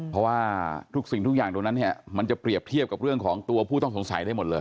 เพราะว่าทุกสิ่งทุกอย่างตรงนั้นเนี่ยมันจะเปรียบเทียบกับเรื่องของตัวผู้ต้องสงสัยได้หมดเลย